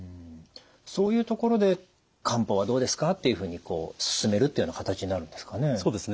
そういうところで「漢方はどうですか？」っていうふうに勧めるというような形になるんですかね？